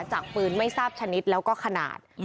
จากปืนไม่ทราบชนิดแล้วก็ขนาด